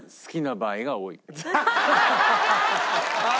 ああ！